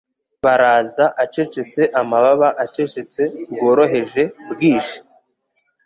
Baraza, Acecetse amababa acecetse bworoheje bwije,